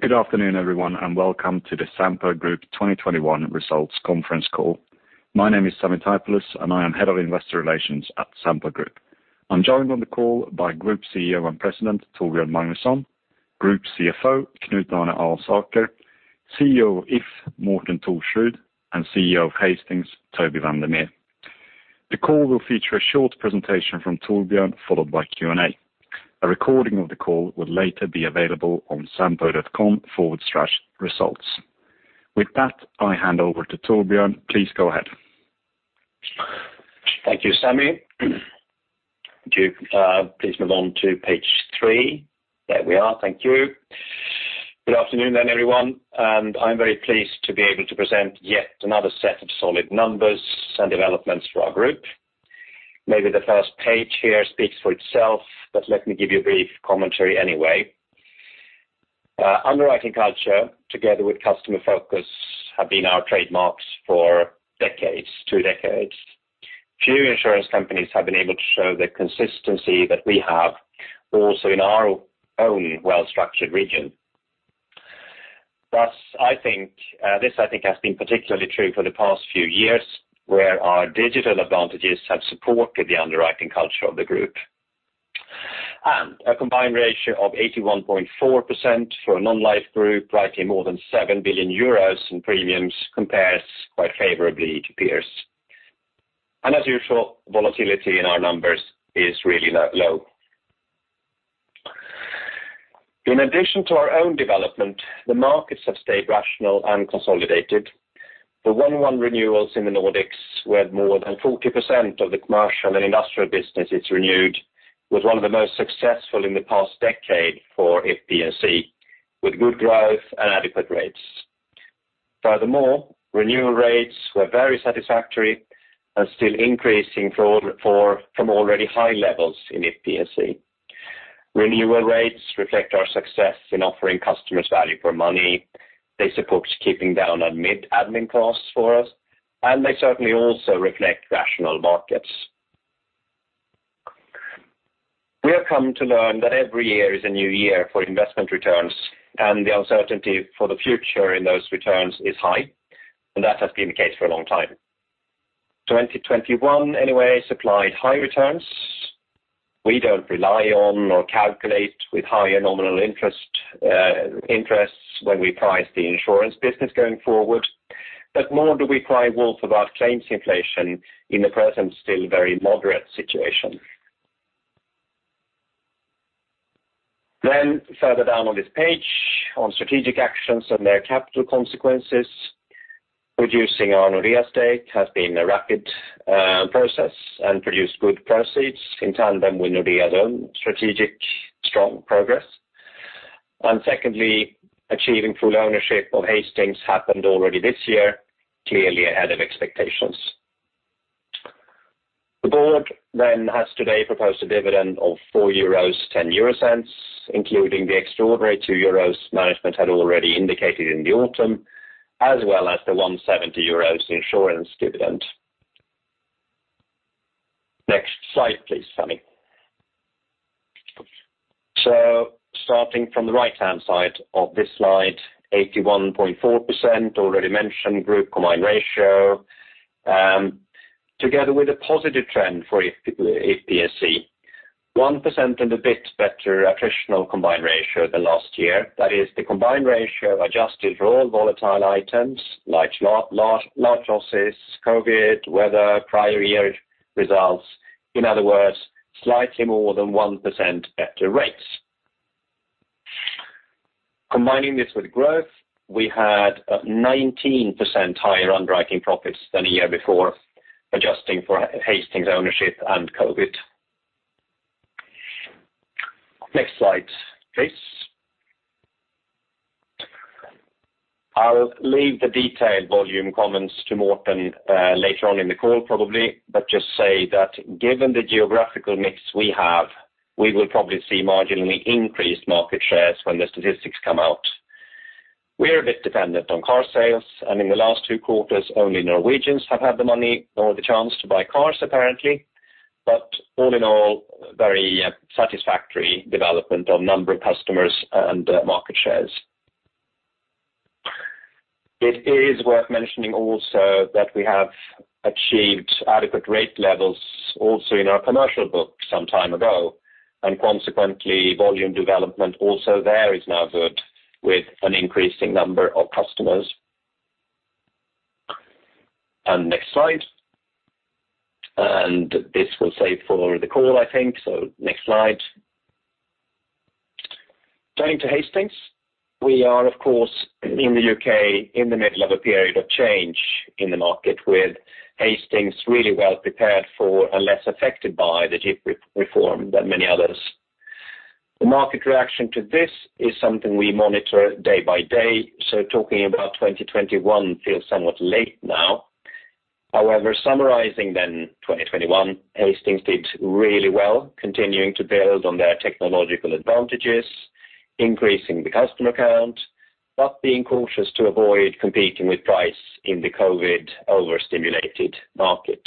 Good afternoon, everyone, and welcome to the Sampo Group 2021 results conference call. My name is Sami Taipalus, and I am head of investor relations at Sampo Group. I'm joined on the call by Group CEO and President, Torbjörn Magnusson, Group CFO, Knut Arne Alsaker, CEO of If, Morten Thorsrud, and CEO of Hastings, Toby van der Meer. The call will feature a short presentation from Torbjörn, followed by Q&A. A recording of the call will later be available on sampo.com/results. With that, I hand over to Torbjörn. Please go ahead. Thank you, Sami. Could you please move on to Page 3. There we are. Thank you. Good afternoon then, everyone. I'm very pleased to be able to present yet another set of solid numbers and developments for our group. Maybe the first page here speaks for itself, but let me give you a brief commentary anyway. Underwriting culture, together with customer focus, have been our trademarks for decades, two decades. Few insurance companies have been able to show the consistency that we have, also in our own well-structured region. Thus, I think this, I think has been particularly true for the past few years, where our digital advantages have supported the underwriting culture of the group. A combined ratio of 81.4% for a non-life group, rightly more than 7 billion euros in premiums, compares quite favorably to peers. As usual, volatility in our numbers is really low. In addition to our own development, the markets have stayed rational and consolidated. The 1-1 renewals in the Nordics, where more than 40% of the Commercial and Industrial business is renewed, was one of the most successful in the past decade for If P&C, with good growth and adequate rates. Furthermore, renewal rates were very satisfactory and still increasing from already high levels in If P&C. Renewal rates reflect our success in offering customers value for money. They support keeping down on mid admin costs for us, and they certainly also reflect rational markets. We have come to learn that every year is a new year for investment returns, and the uncertainty for the future in those returns is high, and that has been the case for a long time. 2021, anyway, supplied high returns. We don't rely on or calculate with higher nominal interest, interests when we price the insurance business going forward. More so do we cry wolf about claims inflation in the present, still very moderate situation. Further down on this page on strategic actions and their capital consequences, reducing our Nordea stake has been a rapid, process and produced good proceeds in tandem with Nordea's own strategic strong progress. Secondly, achieving full ownership of Hastings happened already this year, clearly ahead of expectations. The board then has today proposed a dividend of 4.10 euros, including the extraordinary 2 euros management had already indicated in the autumn, as well as the 1.70 euros insurance dividend. Next slide, please, Sami. Starting from the right-hand side of this slide, 81.4% already mentioned group combined ratio, together with a positive trend for If P&C. 1% and a bit better attritional combined ratio than last year. That is the combined ratio adjusted for all volatile items like loss, large losses, COVID, weather, prior year results. In other words, slightly more than 1% better rates. Combining this with growth, we had 19% higher underwriting profits than a year before, adjusting for Hastings ownership and COVID. Next slide, please. I'll leave the detailed volume comments to Morten later on in the call, probably, but just say that given the geographical mix we have, we will probably see marginally increased market shares when the statistics come out. We are a bit dependent on car sales, and in the last two quarters, only Norwegians have had the money or the chance to buy cars, apparently. All in all, very satisfactory development of number of customers and market shares. It is worth mentioning also that we have achieved adequate rate levels also in our commercial book some time ago, and consequently, volume development also there is now good with an increasing number of customers. Next slide. This we'll save for the call, I think. Next slide. Turning to Hastings, we are, of course, in the U.K., in the middle of a period of change in the market with Hastings really well prepared for and less affected by the GIP reform than many others. The market reaction to this is something we monitor day-by-day. Talking about 2021 feels somewhat late now. However, summarizing 2021, Hastings did really well, continuing to build on their technological advantages. Increasing the customer count, but being cautious to avoid competing with price in the COVID overstimulated market.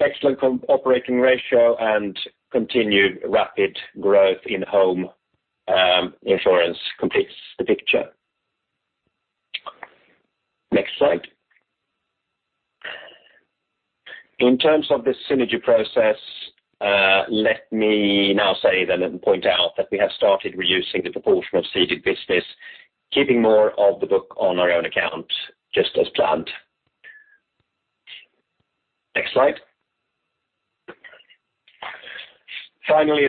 Excellent operating ratio and continued rapid growth in home insurance completes the picture. Next slide. In terms of the synergy process, let me now say then and point out that we have started reducing the proportion of ceded business, keeping more of the book on our own account just as planned. Next slide. Finally,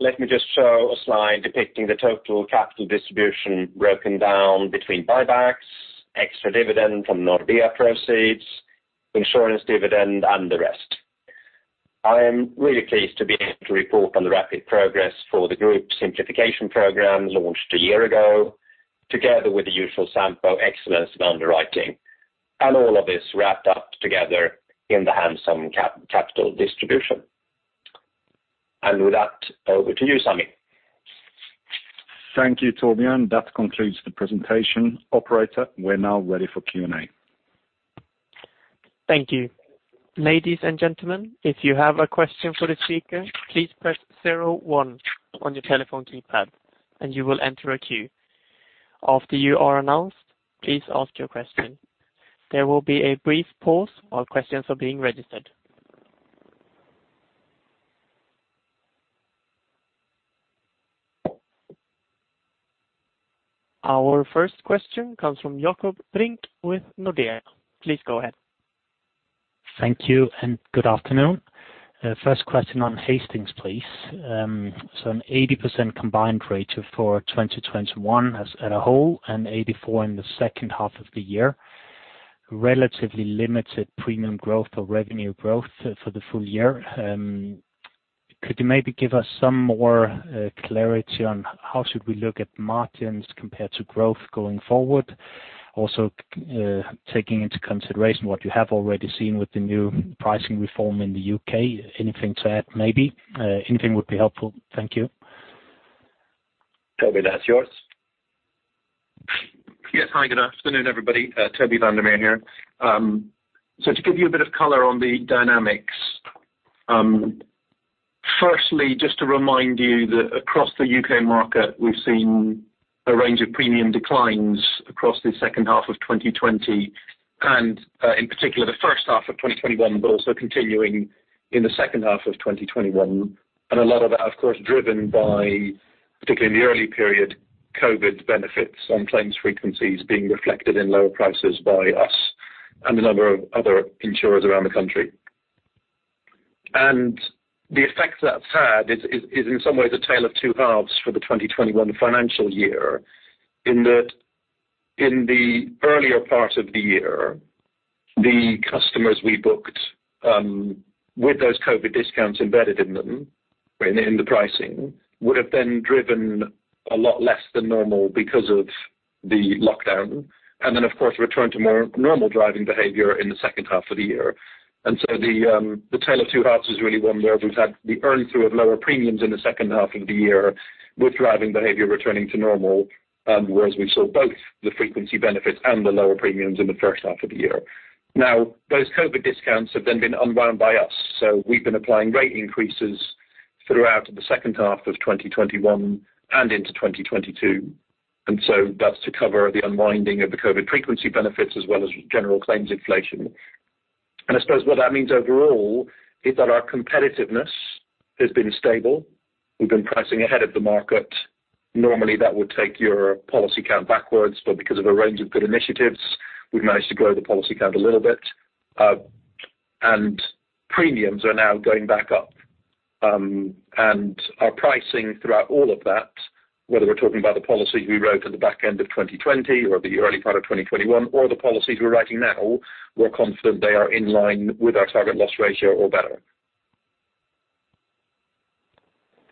let me just show a slide depicting the total capital distribution broken down between buybacks, extra dividend from Nordea proceeds, insurance dividend and the rest. I am really pleased to be able to report on the rapid progress for the group simplification program launched a year ago, together with the usual Sampo excellence in underwriting, and all of this wrapped up together in the handsome capital distribution. With that, over to you, Sami. Thank you, Torbjörn. That concludes the presentation. Operator, we're now ready for Q&A. Thank you. Ladies and gentlemen, if you have a question for the speaker, please press zero one on your telephone keypad, and you will enter a queue. After you are announced, please ask your question. There will be a brief pause while questions are being registered. Our first question comes from Jakob Brink with Nordea. Please go ahead. Thank you and good afternoon. First question on Hastings, please. An 80% combined ratio for 2021 as a whole and 84% in the second half of the year, relatively limited premium growth or revenue growth for the full year. Could you maybe give us some more clarity on how should we look at margins compared to growth going forward? Also, taking into consideration what you have already seen with the new pricing reform in the U.K. Anything to add, maybe? Anything would be helpful. Thank you. Toby, that's yours. Yes. Hi, good afternoon, everybody. Toby van der Meer here. So to give you a bit of color on the dynamics, firstly, just to remind you that across the U.K. market, we've seen a range of premium declines across the second half of 2020 and, in particular the first half of 2021, but also continuing in the second half of 2021. A lot of that, of course, driven by, particularly in the early period, COVID benefits on claims frequencies being reflected in lower prices by us and a number of other insurers around the country. The effect that's had is in some ways a tale of two halves for the 2021 financial year, in that in the earlier part of the year, the customers we booked with those COVID discounts embedded in them in the pricing would have been driven a lot less than normal because of the lockdown. Of course, they returned to more normal driving behavior in the second half of the year. The tale of two halves is really one where we've had the earn through of lower premiums in the second half of the year with driving behavior returning to normal, whereas we saw both the frequency benefits and the lower premiums in the first half of the year. Now, those COVID discounts have then been unwound by us. We've been applying rate increases throughout the second half of 2021 and into 2022. That's to cover the unwinding of the COVID frequency benefits as well as general claims inflation. I suppose what that means overall is that our competitiveness has been stable. We've been pricing ahead of the market. Normally, that would take your policy count backwards, but because of a range of good initiatives, we've managed to grow the policy count a little bit, and premiums are now going back up. Our pricing throughout all of that, whether we're talking about the policies we wrote at the back end of 2020 or the early part of 2021 or the policies we're writing now, we're confident they are in line with our target loss ratio or better.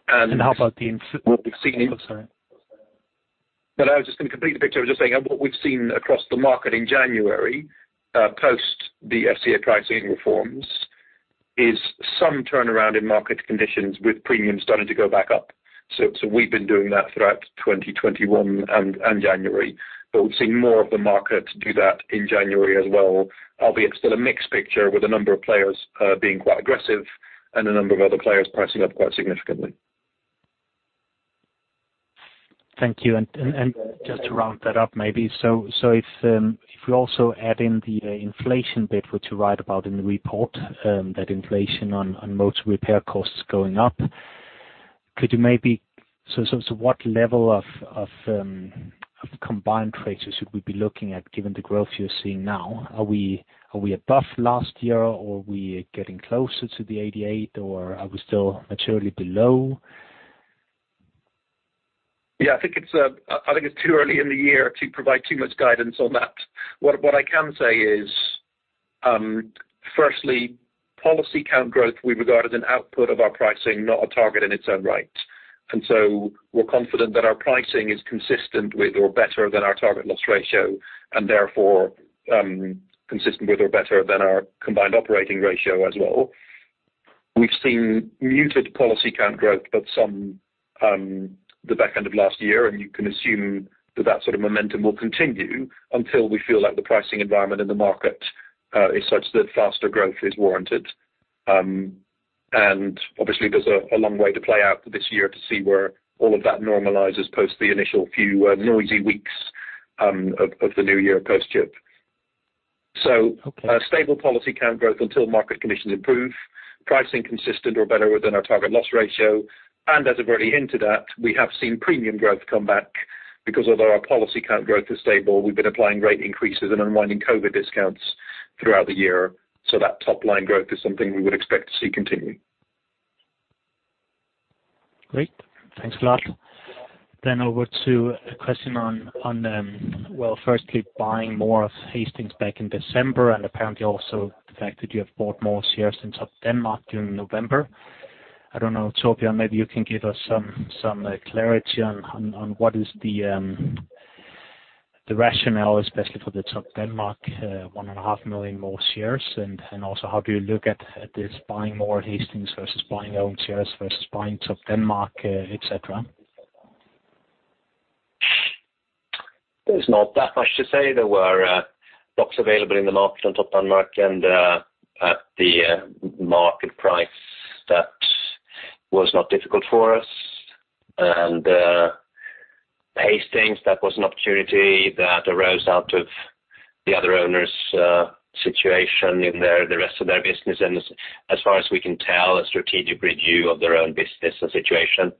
How about the incident? What we've seen in Oh, sorry. No, no. I was just going to complete the picture. I was just saying what we've seen across the market in January post the FCA pricing reforms is some turnaround in market conditions with premiums starting to go back up. We've been doing that throughout 2021 and January, but we've seen more of the market do that in January as well, albeit still a mixed picture with a number of players being quite aggressive and a number of other players pricing up quite significantly. Thank you. Just to round that up maybe, if we also add in the inflation bit, which you write about in the report, that inflation on motor repair costs going up. What level of combined ratios should we be looking at given the growth you're seeing now? Are we above last year or are we getting closer to the 88 or are we still materially below? Yeah, I think it's too early in the year to provide too much guidance on that. What I can say is, firstly, policy count growth we regard as an output of our pricing, not a target in its own right. We're confident that our pricing is consistent with or better than our target loss ratio and therefore, consistent with or better than our combined operating ratio as well. We've seen muted policy count growth at some, the back end of last year, and you can assume that sort of momentum will continue until we feel that the pricing environment in the market is such that faster growth is warranted. Obviously, there's a long way to play out this year to see where all of that normalizes post the initial few noisy weeks of the new year post GIP. A stable policy count growth until market conditions improve, pricing consistent or better within our target loss ratio. As I've already hinted at, we have seen premium growth come back because although our policy count growth is stable, we've been applying rate increases and unwinding COVID discounts throughout the year. That top line growth is something we would expect to see continue. Great. Thanks a lot. Over to a question on well, firstly buying more of Hastings back in December and apparently also the fact that you have bought more shares in Topdanmark during November. I don't know, Torbjörn, maybe you can give us some clarity on what is the rationale, especially for the Topdanmark 1.5 million more shares. Also how do you look at this buying more Hastings versus buying your own shares versus buying Topdanmark, et cetera. There's not that much to say. There were blocks available in the market on Topdanmark and at the market price that was not difficult for us. Hastings, that was an opportunity that arose out of the other owner's situation in the rest of their business. As far as we can tell, a strategic review of their own business situation,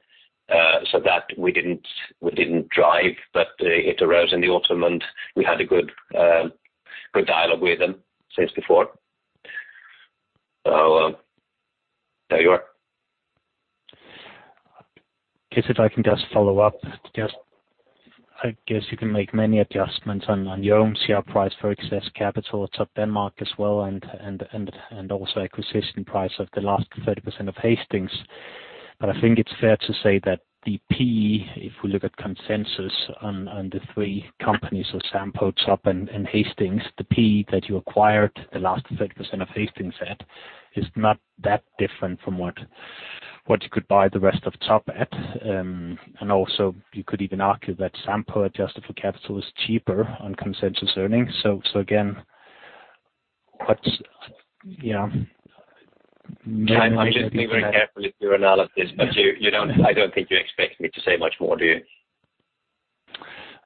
so that we didn't drive, but it arose in the autumn, and we had a good dialogue with them since before. There you are. Yes, if I can just follow-up. Just, I guess you can make many adjustments on your own share price for excess capital at Topdanmark as well and also acquisition price of the last 30% of Hastings. I think it's fair to say that the PE, if we look at consensus on the three companies, so Sampo, Top, and Hastings, the PE that you acquired the last 30% of Hastings at is not that different from what you could buy the rest of Top at. And also you could even argue that Sampo adjusted for capital is cheaper on consensus earnings. I'm listening very carefully to your analysis. I don't think you expect me to say much more, do you?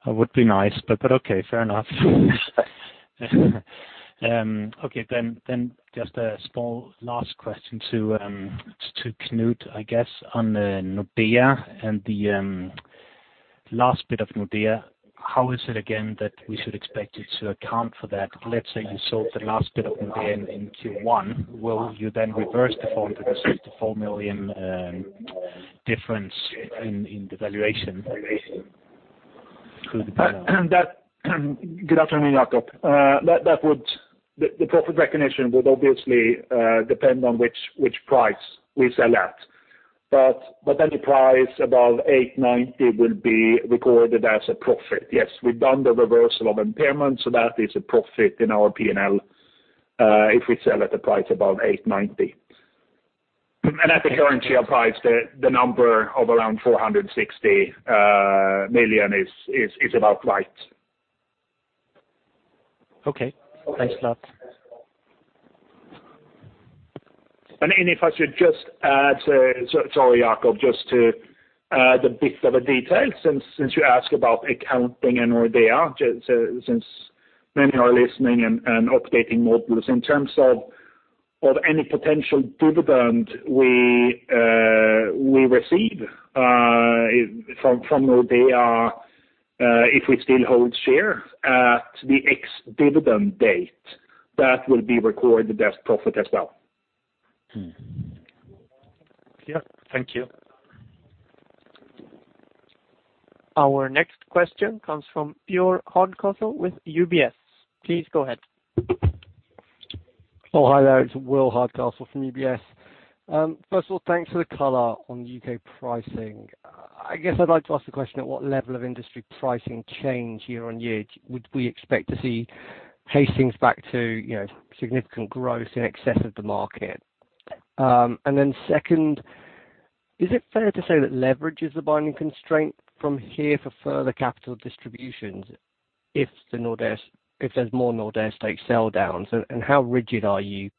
It would be nice, but okay, fair enough. Just a small last question to Knut, I guess, on the Nordea and the last bit of Nordea. How is it again that we should expect you to account for that? Let's say you sold the last bit of Nordea in Q1. Will you then reverse the 464 million difference in the valuation? Good afternoon, Jakob. The profit recognition would obviously depend on which price we sell at. Any price above 8.90 will be recorded as a profit. Yes, we've done the reversal of impairment, so that is a profit in our P&L if we sell at a price above 8.90. At the current share price, the number of around 460 million is about right. Okay. Thanks a lot. If I should just add, sorry, Jakob, just to add a bit of a detail since you asked about accounting and Nordea, since many are listening and updating models. In terms of any potential dividend we receive from Nordea, if we still hold shares at the ex-dividend date, that will be recorded as profit as well. Yeah. Thank you. Our next question comes from Will Hardcastle with UBS. Please go ahead. Oh, hi there. It's Will Hardcastle from UBS. First of all, thanks for the color on U.K. pricing. I guess I'd like to ask the question, at what level of industry pricing change year-over-year would we expect to see Hastings back to, you know, significant growth in excess of the market? And then second, is it fair to say that leverage is the binding constraint from here for further capital distributions if there's more Nordea stake sell downs? And how rigid are you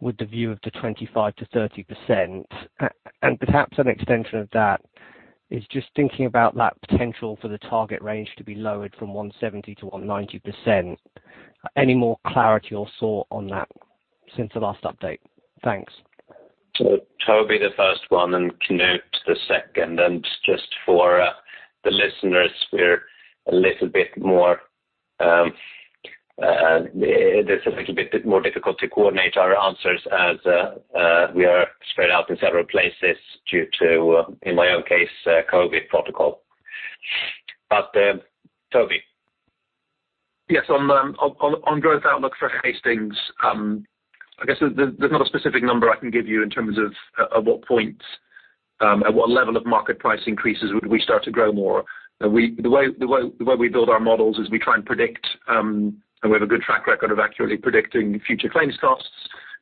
with the view of the 25%-30%? And perhaps an extension of that is just thinking about that potential for the target range to be lowered from 170%-190%. Any more clarity or thought on that since the last update? Thanks. Toby, the first one, and Knut the second. Just for the listeners, it is a little bit more difficult to coordinate our answers as we are spread out in several places due to, in my own case, COVID protocol. Toby. Yes. On growth outlook for Hastings, I guess there's not a specific number I can give you in terms of at what point, at what level of market price increases would we start to grow more? The way we build our models is we try and predict, and we have a good track record of accurately predicting future claims costs.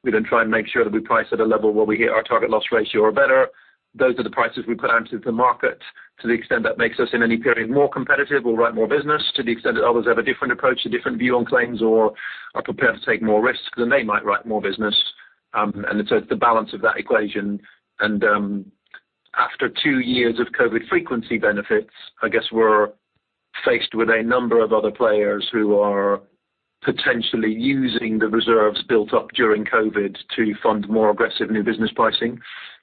We then try and make sure that we price at a level where we hit our target loss ratio or better. Those are the prices we put out into the market to the extent that makes us in any period more competitive or write more business to the extent that others have a different approach, a different view on claims or are prepared to take more risks than they might write more business. It's the balance of that equation. After two years of COVID frequency benefits, I guess we're faced with a number of other players who are potentially using the reserves built up during COVID to fund more aggressive new business pricing.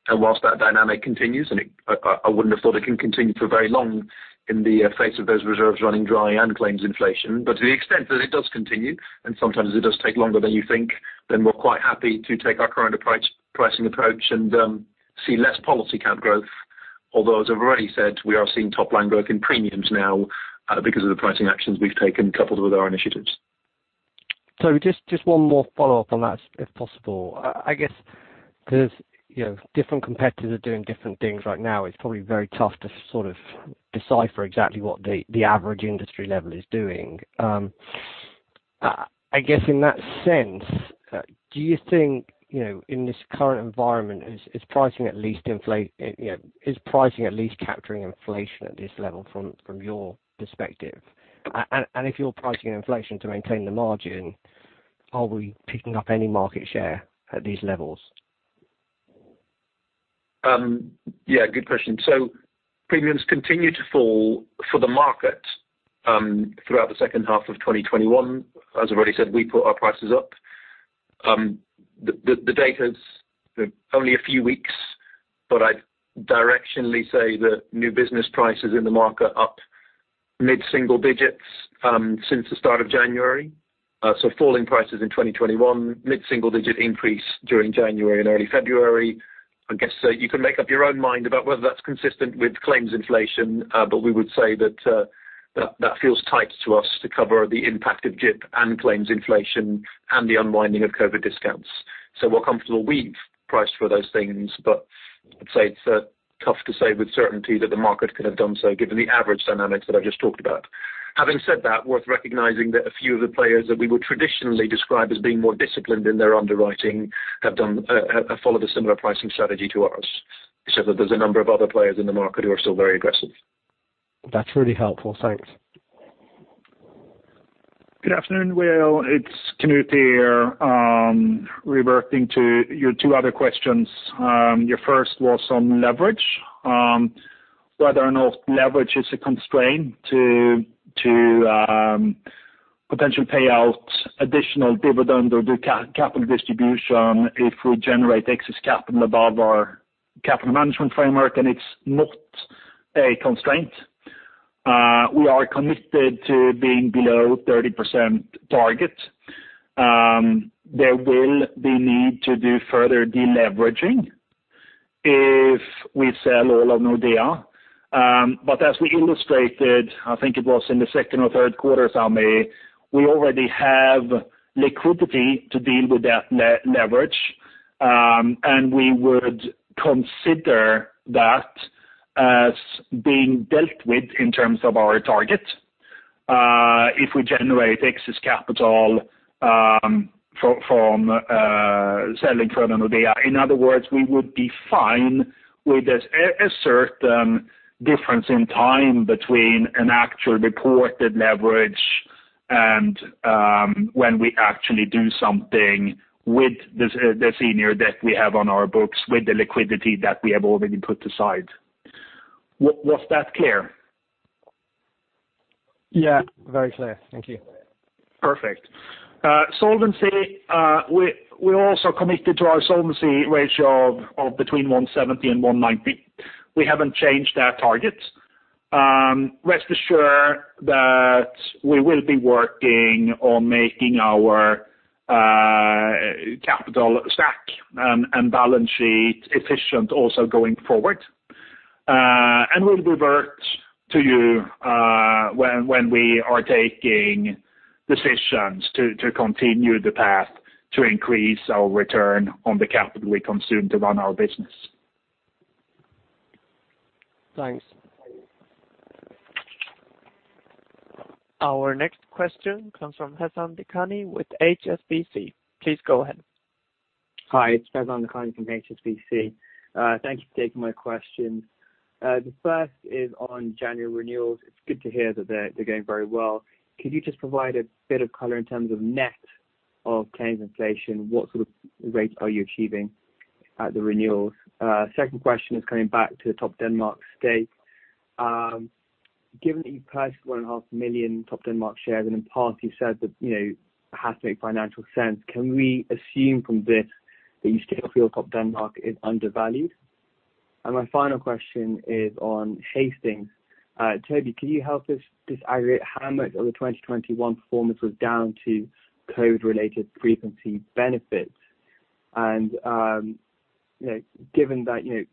While that dynamic continues, I wouldn't have thought it can continue for very long in the face of those reserves running dry and claims inflation. To the extent that it does continue, and sometimes it does take longer than you think, then we're quite happy to take our current approach, pricing approach and see less policy count growth. Although, as I've already said, we are seeing top-line growth in premiums now, because of the pricing actions we've taken coupled with our initiatives. Just one more follow-up on that, if possible. I guess 'cause different competitors are doing different things right now, it's probably very tough to sort of decipher exactly what the average industry level is doing. I guess in that sense, do you think in this current environment, is pricing at least capturing inflation at this level from your perspective? If you're pricing inflation to maintain the margin, are we picking up any market share at these levels? Yeah, good question. Premiums continue to fall for the market throughout the second half of 2021. As I've already said, we put our prices up. The data's only a few weeks, but I'd directionally say that new business prices in the market are up mid-single-digits since the start of January. Falling prices in 2021, mid-single-digit increase during January and early February. I guess you can make up your own mind about whether that's consistent with claims inflation, but we would say that that feels tight to us to cover the impact of GIP and claims inflation and the unwinding of COVID discounts. We're comfortable we've priced for those things, but I'd say it's tough to say with certainty that the market could have done so given the average dynamics that I just talked about. Having said that, it's worth recognizing that a few of the players that we would traditionally describe as being more disciplined in their underwriting have followed a similar pricing strategy to ours. So that there's a number of other players in the market who are still very aggressive. That's really helpful. Thanks. Good afternoon, Will. It's Knut here. Reverting to your two other questions. Your first was on leverage, whether or not leverage is a constraint to potential payout, additional dividend or capital distribution if we generate excess capital above our capital management framework. It's not a constraint. We are committed to being below 30% target. There will be need to do further de-leveraging if we sell all of Nordea. As we illustrated, I think it was in the second or third quarter, Sami, we already have liquidity to deal with that leverage. We would consider that as being dealt with in terms of our target if we generate excess capital from selling further Nordea. In other words, we would be fine with a certain difference in time between an actual reported leverage and, when we actually do something with the senior debt we have on our books, with the liquidity that we have already put aside. Was that clear? Yeah, very clear. Thank you. Perfect. Solvency, we're also committed to our solvency ratio of between 170% and 190%. We haven't changed that target. Rest assured that we will be working on making our capital stack and balance sheet efficient also going forward. We'll revert to you when we are taking decisions to continue the path to increase our return on the capital we consume to run our business. Thanks. Our next question comes from Faizan Lakhani with HSBC. Please go ahead. Hi, it's Faizan Lakhani from HSBC. Thank you for taking my question. The first is on January renewals. It's good to hear that they're going very well. Could you just provide a bit of color in terms of net of claims inflation? What sort of rates are you achieving at the renewals? Second question is coming back to Topdanmark stake. Given that you purchased 1.5 million Topdanmark shares, and in the past you said that, you know, it has to make financial sense, can we assume from this that you still feel Topdanmark is undervalued? My final question is on Hastings. Toby, can you help us disaggregate how much of the 2021 performance was down to COVID-related frequency benefits? You know, given that, you know,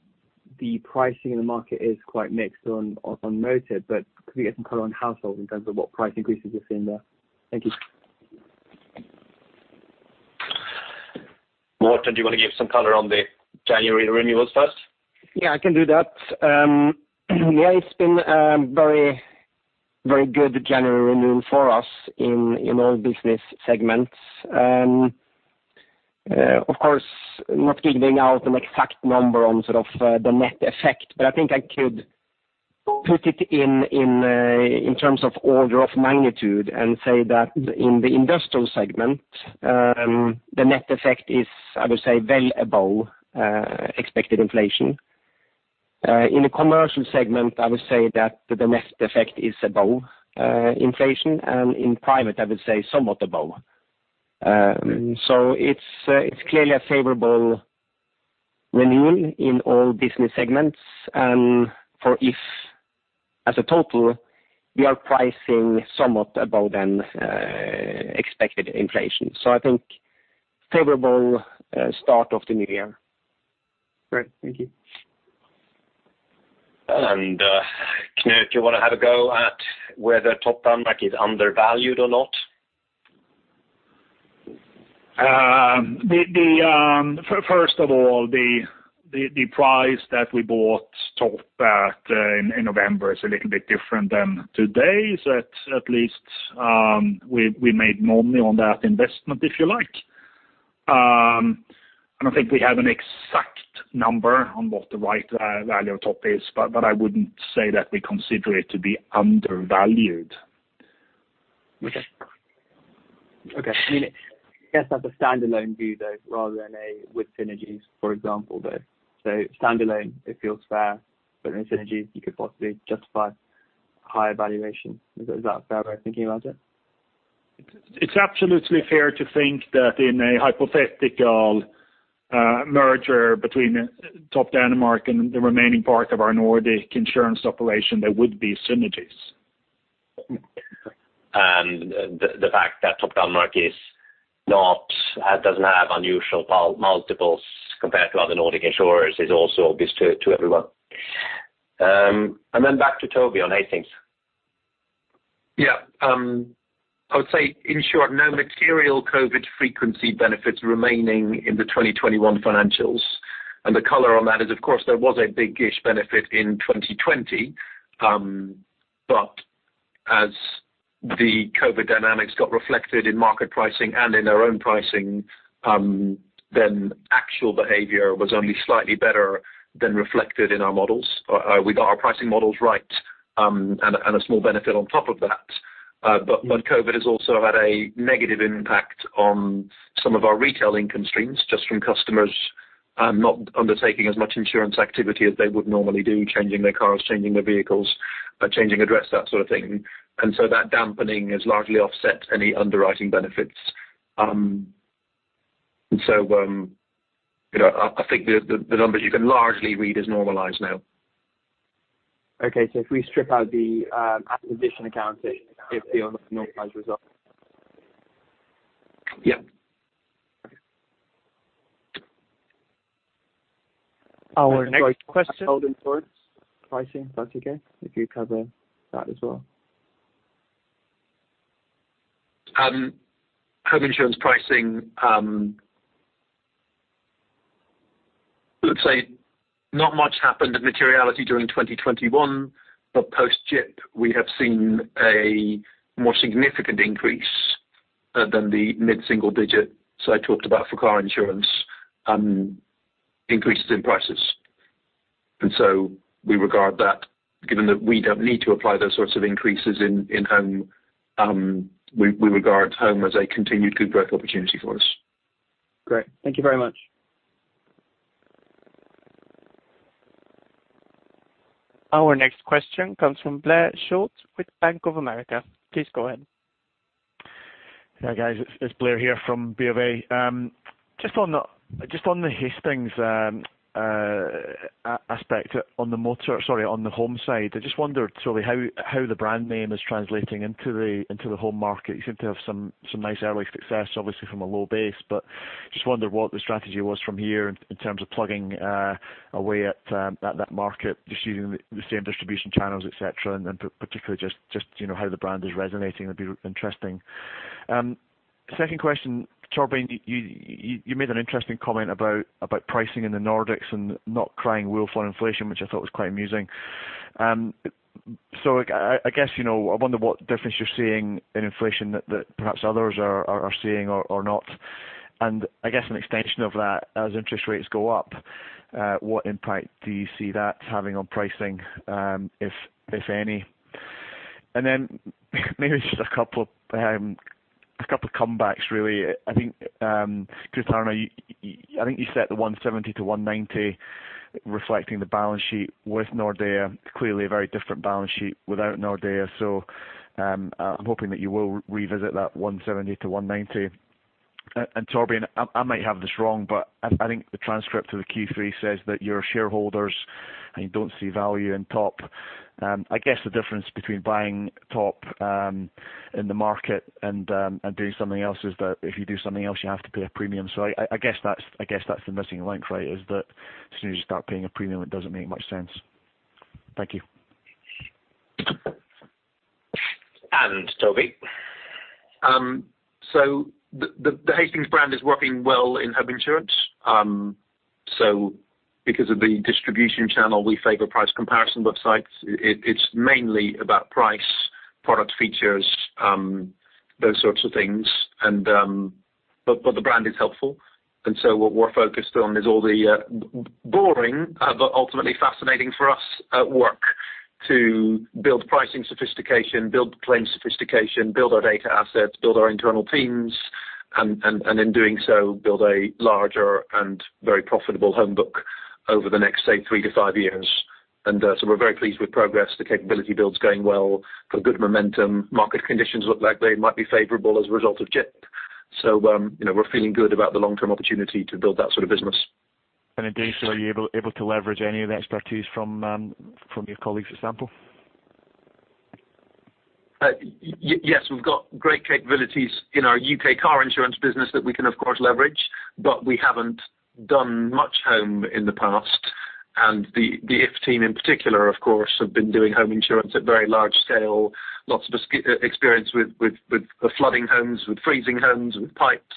the pricing in the market is quite mixed on Motor, but could we get some color on household in terms of what price increases you're seeing there? Thank you. Morten, do you want to give some color on the January renewals first? Yeah, I can do that. Yeah, it's been very good January renewal for us in, you know, business segments. Of course, not giving out an exact number on sort of the net effect, but I think I could put it in in terms of order of magnitude and say that in the Industrial segment, the net effect is, I would say, well above expected inflation. In the Commercial segment, I would say that the net effect is above inflation. In private, I would say somewhat above. It's clearly a favorable renewal in all business segments. For If, as a total, we are pricing somewhat above than expected inflation. I think favorable start of the new year. Great. Thank you. Knut, you wanna have a go at whether Topdanmark is undervalued or not? First of all, the price that we bought Top at, in November is a little bit different than today. At least, we made more money on that investment, if you like. I don't think we have an exact number on what the right value of Top is, but I wouldn't say that we consider it to be undervalued. Okay. I mean, I guess that's a standalone view though, rather than with synergies, for example, though. Standalone it feels fair, but with synergies you could possibly justify higher valuation. Is that a fair way of thinking about it? It's absolutely fair to think that in a hypothetical merger between Topdanmark and the remaining part of our Nordic insurance operation, there would be synergies. The fact that Topdanmark doesn't have unusual multiples compared to other Nordic insurers is also obvious to everyone. Then back to Toby on Hastings. Yeah. I would say in short, no material COVID frequency benefits remaining in the 2021 financials. The color on that is of course there was a biggish benefit in 2020. As the COVID dynamics got reflected in market pricing and in our own pricing, then actual behavior was only slightly better than reflected in our models. We got our pricing models right, and a small benefit on top of that. COVID has also had a negative impact on some of our retail income streams just from customers not undertaking as much insurance activity as they would normally do, changing their cars, changing their vehicles, changing address, that sort of thing. That dampening has largely offset any underwriting benefits. You know, I think the numbers you can largely read as normalized now. Okay. If we strip out the acquisition accounting, it's the normalized result? Yeah. Okay. Our next question. Home insurance pricing, that okay, if you cover that as well. Home insurance pricing, let's say not much happened materially during 2021. Post GIP, we have seen a more significant increase than the mid-single-digit, as I talked about for car insurance, increases in prices. We regard that, given that we don't need to apply those sorts of increases in Home, we regard Home as a continued good growth opportunity for us. Great. Thank you very much. Our next question comes from Blair Stewart with Bank of America. Please go ahead. Yeah, guys, it's Blair here from BofA. Just on the Hastings aspect on the home side. I just wondered, Toby, how the brand name is translating into the home market. You seem to have some nice early success, obviously from a low base. But just wondered what the strategy was from here in terms of plugging away at that market, just using the same distribution channels, et cetera. And then particularly just, you know, how the brand is resonating would be interesting. Second question, Torbjörn, you made an interesting comment about pricing in the Nordics and not crying wolf on inflation, which I thought was quite amusing. I guess, you know, I wonder what difference you're seeing in inflation that perhaps others are seeing or not. I guess an extension of that, as interest rates go up, what impact do you see that having on pricing, if any? Then maybe just a couple comebacks really. I think to Torbjörn, you set the 170%-190% reflecting the balance sheet with Nordea. Clearly a very different balance sheet without Nordea. I'm hoping that you will revisit that 170%-190%. And Torbjörn, I might have this wrong, but I think the transcript to the Q3 says that your shareholders and you don't see value in Topdanmark. I guess the difference between buying Topdanmark in the market and doing something else is that if you do something else, you have to pay a premium. I guess that's the missing link, right? Is that as soon as you start paying a premium, it doesn't make much sense. Thank you. Toby. The Hastings brand is working well in home insurance. Because of the distribution channel, we favor price comparison websites. It's mainly about price, product features, those sorts of things and, but the brand is helpful. What we're focused on is all the boring, but ultimately fascinating for us at work to build pricing sophistication, build claim sophistication, build our data assets, build our internal teams, and in doing so, build a larger and very profitable home book over the next, say, three to five years. We're very pleased with progress. The capability build's going well. Got good momentum. Market conditions look like they might be favorable as a result of GIP. You know, we're feeling good about the long-term opportunity to build that sort of business. Are you able to leverage any of the expertise from your colleagues, for example? Yes. We've got great capabilities in our U.K. Car Insurance business that we can, of course, leverage, but we haven't done much home in the past. The If team in particular, of course, have been doing home insurance at very large scale. Lots of experience with flooding homes, with freezing homes, with pipes,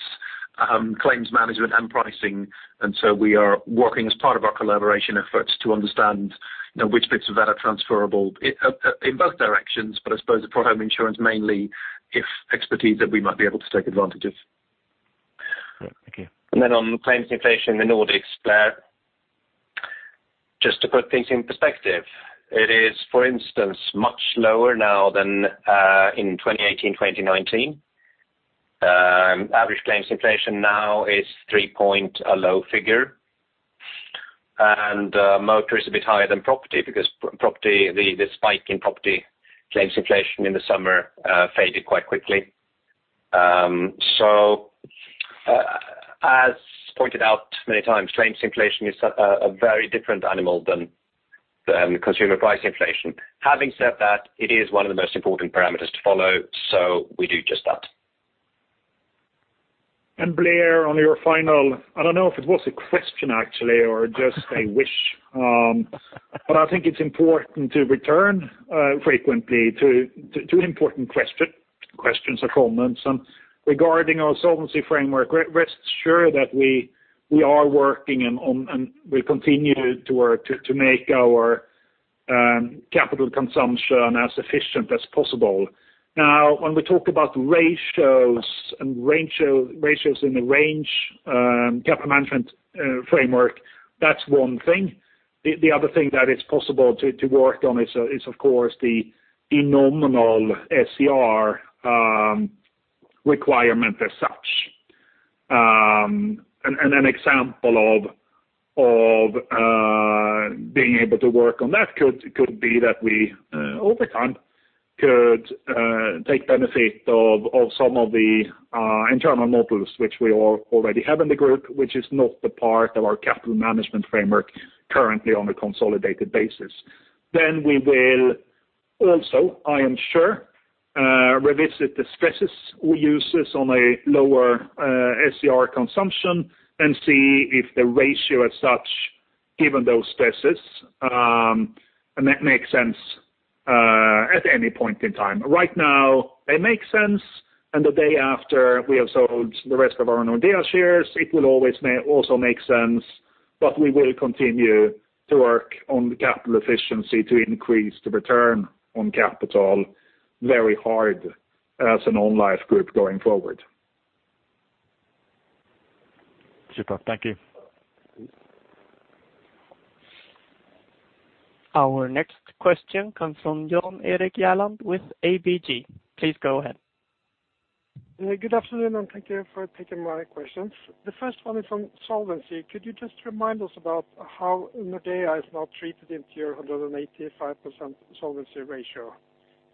claims management and pricing. We are working as part of our collaboration efforts to understand, you know, which bits of that are transferable in both directions, but I suppose for Home insurance mainly If expertise that we might be able to take advantage of. All right. Thank you. Then on claims inflation in the Nordics, Blair, just to put things in perspective, it is, for instance, much lower now than in 2018, 2019. Average claims inflation now is 3%, a low figure. Motor is a bit higher than property because property, the spike in property claims inflation in the summer faded quite quickly. As pointed out many times, claims inflation is a very different animal than consumer price inflation. Having said that, it is one of the most important parameters to follow, so we do just that. Blair, on your final, I don't know if it was a question actually or just a wish. But I think it's important to return frequently to two important questions or comments. Regarding our solvency framework, rest assured that we are working and we continue to work to make our capital consumption as efficient as possible. Now, when we talk about ratios in the range, capital management framework, that's one thing. The other thing that is possible to work on is of course the nominal SCR requirement as such. An example of being able to work on that could be that we over time could take benefit of some of the internal models which we already have in the group, which is not the part of our capital management framework currently on a consolidated basis. We will also, I am sure, revisit the stresses we use this on a lower SCR consumption and see if the ratio as such, given those stresses, make sense at any point in time. Right now, they make sense, and the day after we have sold the rest of our Nordea shares, it will always also make sense. We will continue to work on the capital efficiency to increase the return on capital very hard as a non-life group going forward. Super. Thank you. Our next question comes from Jan Erik Gjerland with ABG. Please go ahead. Good afternoon, and thank you for taking my questions. The first one is on solvency. Could you just remind us about how Nordea is now treated in your 185% solvency ratio?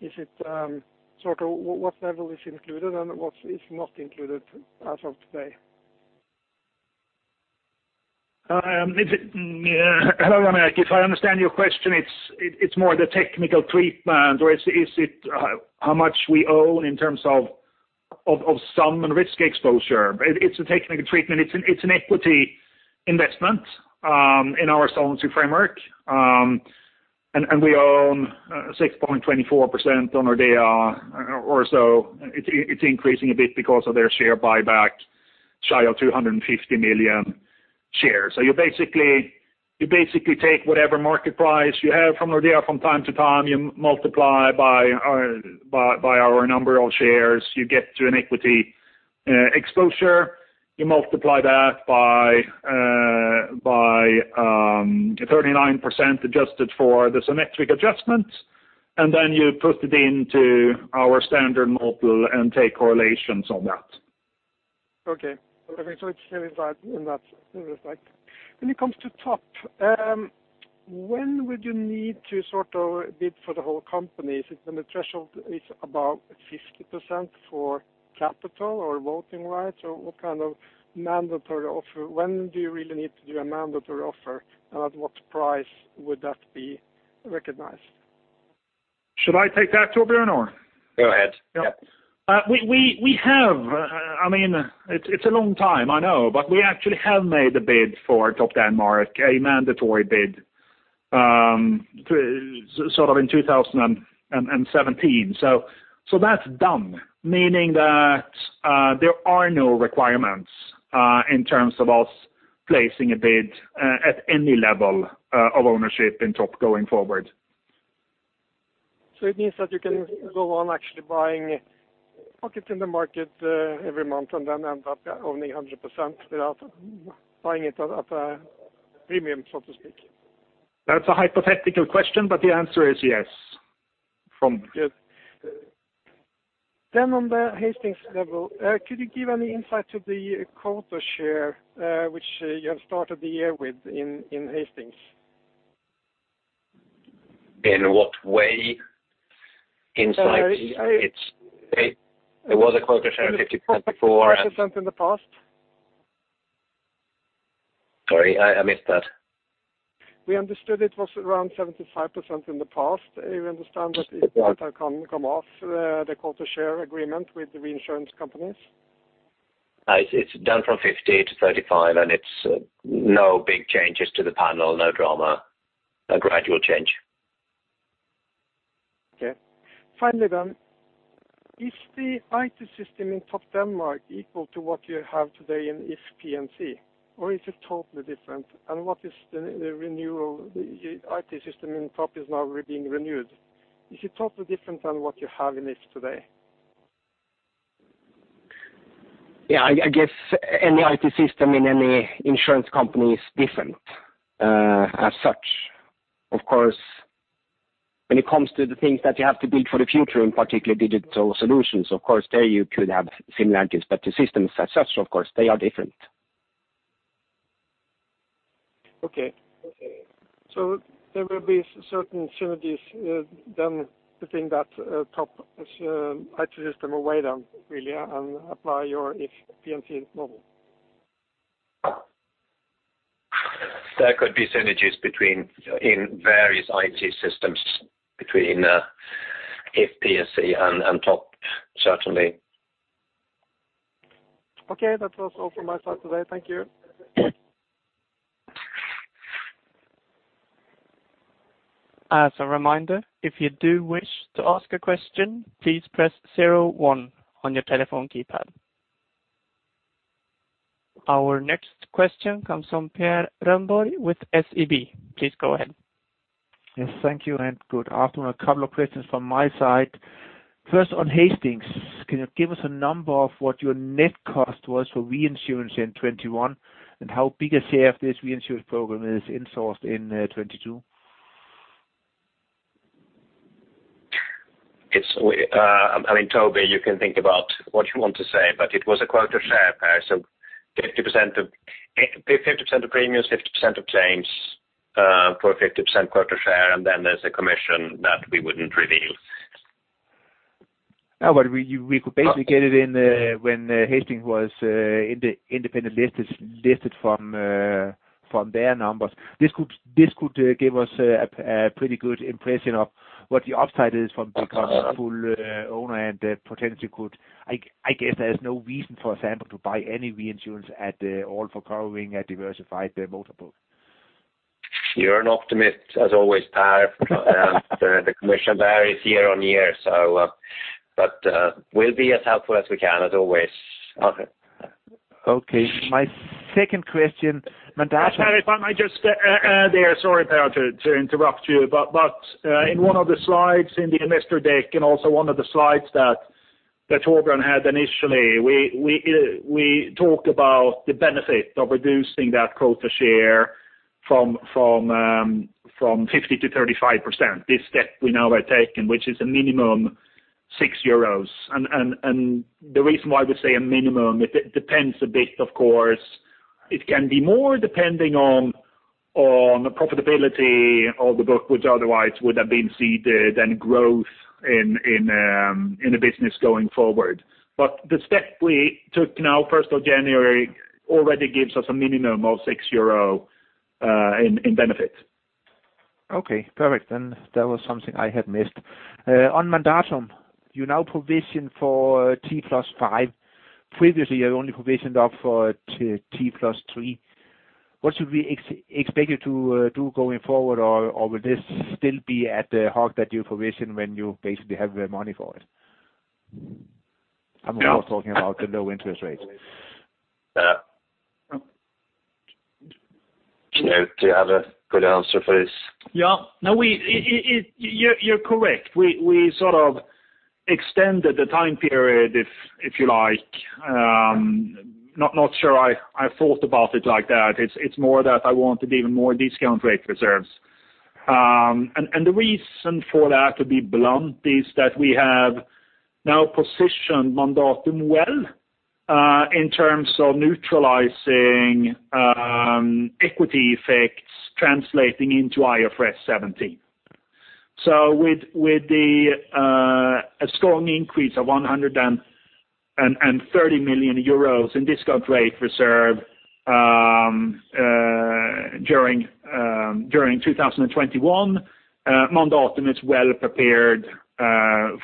Is it sort of what level is included and what is not included as of today? Yeah. If I understand your question, it's more the technical treatment, or is it how much we own in terms of Sampo and risk exposure? It's a technical treatment. It's an equity investment in our solvency framework. We own 6.24% of Nordea or so. It's increasing a bit because of their share buyback shy of 250 million shares. You basically take whatever market price you have from Nordea from time to time, you multiply by our number of shares, you get to an equity exposure. You multiply that by 39% adjusted for the symmetric adjustment, and then you put it into our standard model and take correlations on that. Okay. When it comes to Top, when would you need to sort of bid for the whole company? The threshold is about 50% for capital or voting rights, or what kind of mandatory offer? When do you really need to do a mandatory offer? At what price would that be recognized? Should I take that Toby, or? Go ahead. Yeah. We have, I mean, it's a long time, I know, but we actually have made a bid for Topdanmark, a mandatory bid. Sort of in 2017. That's done, meaning that there are no requirements in terms of us placing a bid at any level of ownership in Top going forward. It means that you can go on actually buying stock in the market every month and then end up owning 100% without buying it at a premium, so to speak. That's a hypothetical question, but the answer is yes. Good. On the Hastings level, could you give any insight to the quota share, which you have started the year with in Hastings? In what way insight? Uh, I- It was a quota share of 50% before and 50% in the past. Sorry, I missed that. We understood it was around 75% in the past. We understand that If- It was. Can come off the quota share agreement with the reinsurance companies. It's down from 50% to 35%, and it's no big changes to the panel. No drama. A gradual change. Okay. Finally, is the IT system in Topdanmark equal to what you have today in If P&C, or is it totally different? The IT system in Topdanmark is now being renewed. Is it totally different than what you have in If today? Yeah, I guess any IT system in any insurance company is different, as such. Of course, when it comes to the things that you have to build for the future, in particular digital solutions, of course there you could have similarities, but the systems as such, of course, they are different. Okay. There will be certain synergies then between that Topdanmark IT system and then really and apply your If P&C model. There could be synergies in various IT systems between If P&C and Topdanmark, certainly. Okay, that was all from my side today. Thank you. As a reminder, if you do wish to ask a question, please press zero one on your telephone keypad. Our next question comes from Per Grönborg with SEB. Please go ahead. Yes, thank you, and good afternoon. A couple of questions from my side. First, on Hastings, can you give us a number of what your net cost was for reinsurance in 2021, and how big a share of this reinsurance program is insourced in 2022? I mean, Toby, you can think about what you want to say, but it was a quota share, Per, so 50% of premiums, 50% of claims, for a 50% quota share, and then there's a commission that we wouldn't reveal. We could basically get it in when Hastings was independently listed from their numbers. This could give us a pretty good impression of what the upside is from full ownership, because I guess there's no reason, for example, to buy any reinsurance at all for covering a diversified motor book. You're an optimist as always, Per. The commission varies year-on-year, so, but, we'll be as helpful as we can as always. Okay. Okay, my second question, Mandatum. Per, if I might just add there, sorry, Per, to interrupt you. In one of the slides in the investor deck and also one of the slides that Torbjörn had initially, we talked about the benefit of reducing that quota share from 50% to 35%. This step we now are taking, which is a minimum 6 euros. The reason why we say a minimum, it depends a bit, of course. It can be more depending on the profitability of the book which otherwise would have been ceded and growth in the business going forward. The step we took now, first of January, already gives us a minimum of 6 euro in benefit. Okay, perfect. That was something I had missed. On Mandatum, you now provisioned for T Plus Five. Previously, you only provisioned up for T Plus Three. What should we expect you to do going forward, or will this still be at the heart that you provision when you basically have the money for it? No. I'm of course talking about the low interest rates. Knut do you have a good answer for this? Yeah. No, you're correct. We sort of extended the time period if you like. Not sure I thought about it like that. It's more that I wanted even more discount rate reserves. The reason for that, to be blunt, is that we have now positioned Mandatum well in terms of neutralizing equity effects translating into IFRS 17. With a strong increase of 130 million euros in discount rate reserve during 2021, Mandatum is well prepared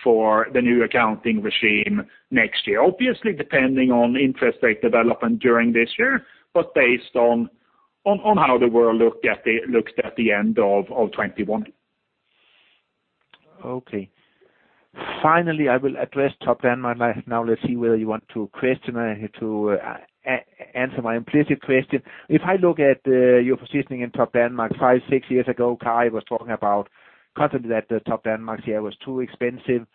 for the new accounting regime next year. Obviously, depending on interest rate development during this year, but based on how the world looked at the end of 2021 Okay. Finally, I will address Topdanmark. Now let's see whether you want to question or to answer my implicit question. If I look at your positioning in Topdanmark five, six years ago, Kari was talking about constantly that the Topdanmark share was too expensive.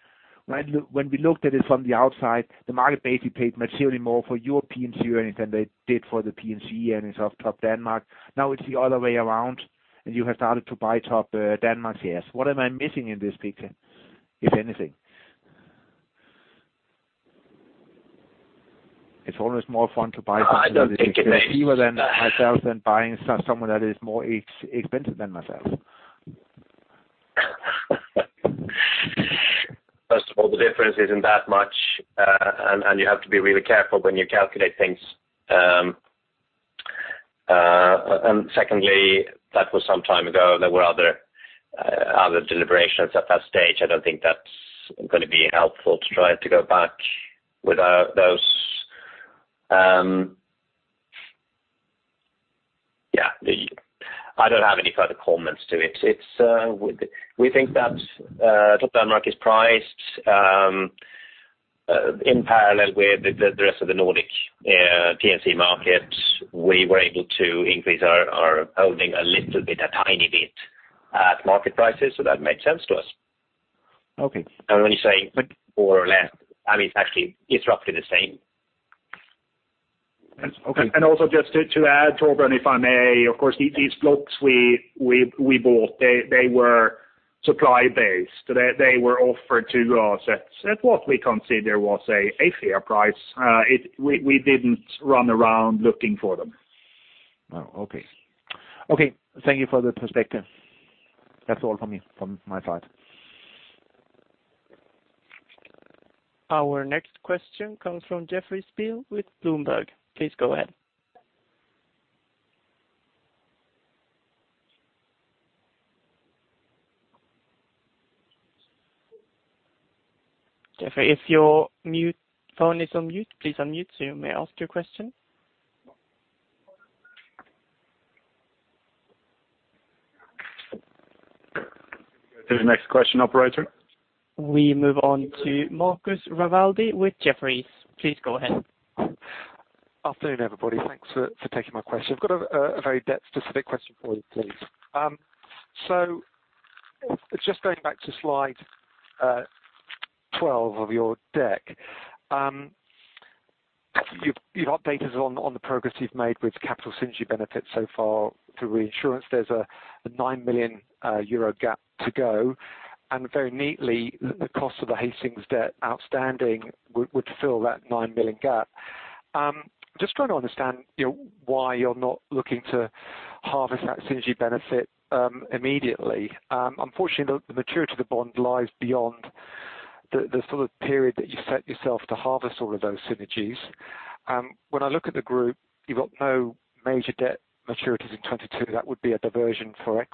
When we looked at it from the outside, the market basically paid materially more for your P&C earnings than they did for the P&C earnings of Topdanmark. Now it's the other way around, and you have started to buy Topdanmark's shares. What am I missing in this picture, if anything? It's always more fun to buy. I don't think there's- Cheaper than myself than buying somewhere that is more expensive than myself. First of all, the difference isn't that much. You have to be really careful when you calculate things. Secondly, that was some time ago. There were other deliberations at that stage. I don't think that's gonna be helpful to try to go back without those. I don't have any further comments to it. We think that Topdanmark is priced in parallel with the rest of the Nordic P&C markets. We were able to increase our holding a little bit, a tiny bit at market prices, so that made sense to us. Okay. When you say more or less, I mean, it's actually, it's roughly the same. Okay. Also just to add, Torbjörn, if I may, of course, these blocks we bought, they were supply-based. They were offered to us at what we consider was a fair price. We didn't run around looking for them. Oh, okay. Thank you for the perspective. That's all from me, from my side. Our next question comes from Jeffrey Spiel with Bloomberg. Please go ahead. Jeffrey, if your phone is on mute, please unmute so you may ask your question. To the next question, operator. We move on to Marcus Rivaldi with Jefferies. Please go ahead. Afternoon, everybody. Thanks for taking my question. I've got a very debt-specific question for you, please. So just going back to Slide 12 of your deck. You've updated us on the progress you've made with capital synergy benefits so far through reinsurance. There's a 9 million euro gap to go, and very neatly, the cost of the Hastings debt outstanding would fill that 9 million gap. Just trying to understand, you know, why you're not looking to harvest that synergy benefit immediately. Unfortunately, the maturity of the bond lies beyond the sort of period that you've set yourself to harvest all of those synergies. When I look at the group, you've got no major debt maturities in 2022. That would be a diversion for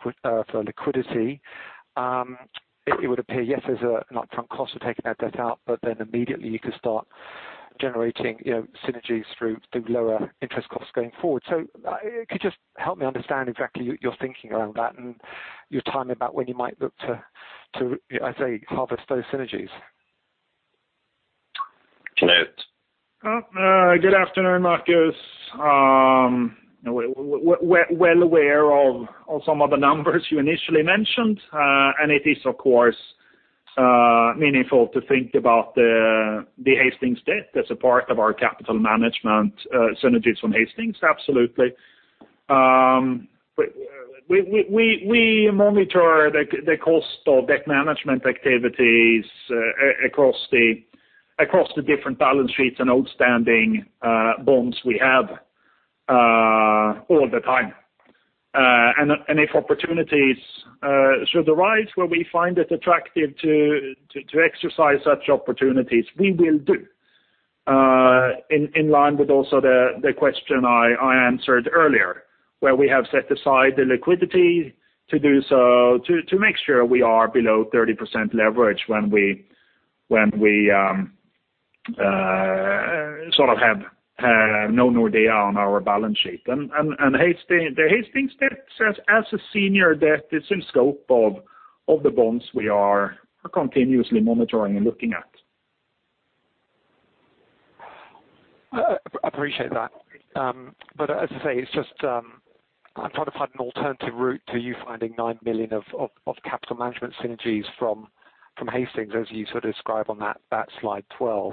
liquidity. It would appear, yes, there's an upfront cost of taking that debt out, but then immediately you could start generating, you know, synergies through lower interest costs going forward. Could you just help me understand exactly your thinking around that and your timing about when you might look to, as they say, harvest those synergies? Knut? Good afternoon, Marcus. We're well aware of some of the numbers you initially mentioned. It is of course meaningful to think about the Hastings debt as a part of our capital management, synergies from Hastings, absolutely. We monitor the cost of debt management activities across the different balance sheets and outstanding bonds we have all the time. If opportunities should arise where we find it attractive to exercise such opportunities, we will do in line with also the question I answered earlier, where we have set aside the liquidity to do so to make sure we are below 30% leverage when we sort of have no Nordea on our balance sheet. Hastings, the Hastings debt as a senior debt, it's in scope of the bonds we are continuously monitoring and looking at. Appreciate that. But as I say, it's just I'm trying to find an alternative route to you finding 9 million of capital management synergies from Hastings, as you sort of described on that Slide 12.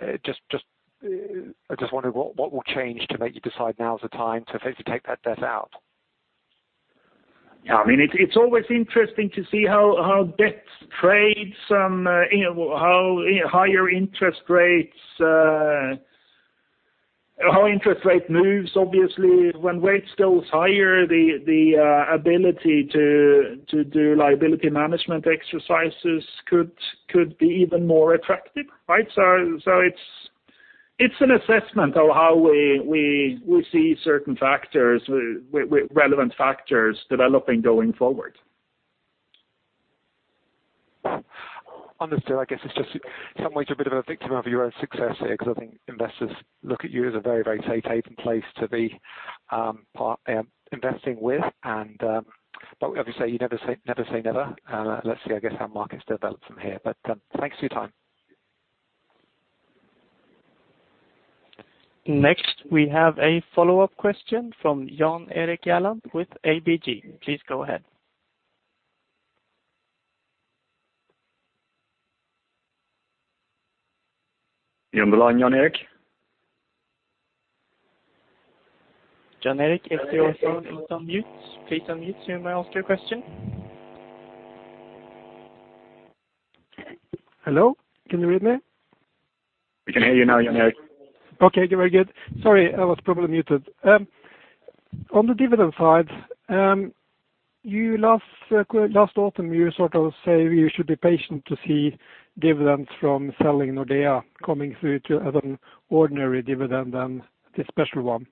I just wondered what will change to make you decide now is the time to take that debt out? Yeah. I mean, it's always interesting to see how debt trades, you know, how higher interest rates, how interest rate moves. Obviously, when rates goes higher, the ability to do liability management exercises could be even more attractive, right? It's an assessment of how we see certain factors with relevant factors developing going forward. Understood. I guess it's just in some ways you're a bit of a victim of your own success here because I think investors look at you as a very, very safe haven place to be, investing with. Obviously, you never say never. Let's see, I guess, how markets develop from here. Thanks for your time. Next, we have a follow-up question from Jan Erik Gjerland with ABG. Please go ahead. You're on the line, Jan Erik Gjerland. Jan Erik Gjerland, if you're on phone, please unmute. Please unmute so you may ask your question. Hello, can you hear me? We can hear you now, Jan Erik. Okay, very good. Sorry, I was probably muted. On the dividend side, you last autumn, you sort of say you should be patient to see dividends from selling Nordea coming through as an ordinary dividend rather than the special one.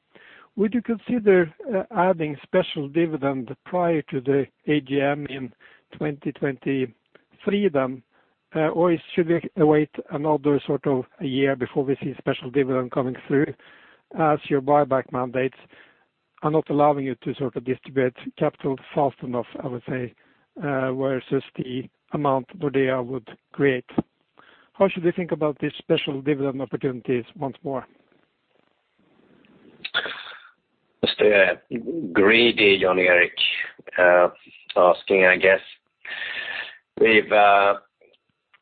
Would you consider adding special dividend prior to the AGM in 2023 then, or should we await another sort of a year before we see special dividend coming through as your buyback mandates are not allowing you to sort of distribute capital fast enough, I would say, versus the amount Nordea would create? How should we think about these special dividend opportunities once more? Just a greedy Jan Erik Gjerland asking, I guess.